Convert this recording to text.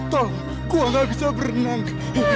tolong aku tidak bisa berenang